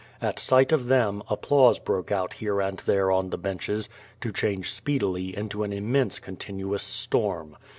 At sight of them, applause broke out here and there on the benches, to change speedily into an immense continuous storm.